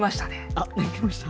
あっ泣きました？